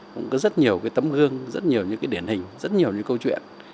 cũng có rất nhiều tấm gương rất nhiều điển hình rất nhiều câu chuyện